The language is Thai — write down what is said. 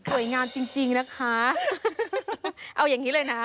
จริงจริงนะคะเอาอย่างนี้เลยนะ